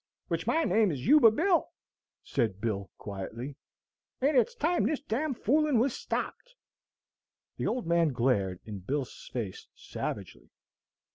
"Which my name is Yuba Bill," said Bill, quietly, "and it's time this d n fooling was stopped." The old man glared in Bill's face savagely.